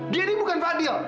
dia ini bukan fadil